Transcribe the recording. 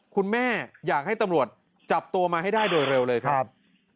คุณแม่อยากให้ตำรวจจับตัวมาให้ได้โดยเร็วเลยครับ